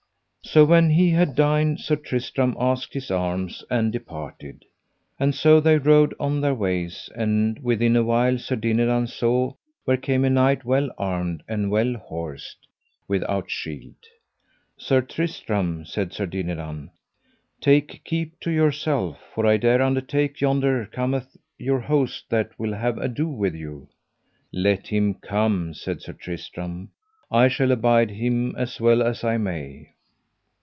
So when he had dined Sir Tristram asked his arms, and departed. And so they rode on their ways, and within a while Sir Dinadan saw where came a knight well armed and well horsed, without shield. Sir Tristram, said Sir Dinadan, take keep to yourself, for I dare undertake yonder cometh your host that will have ado with you. Let him come, said Sir Tristram, I shall abide him as well as I may.